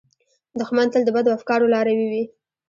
دښمن تل د بدو افکارو لاروي وي